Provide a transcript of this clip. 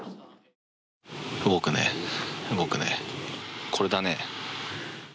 動くね、動くね、これだね。